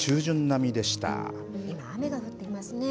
今、雨が降っていますね。